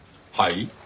はい？